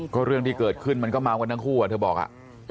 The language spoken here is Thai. ก็เรื่องที่เกิดขึ้นมันก็เมากันทั้งคู่อ่ะเธอบอกอ่ะ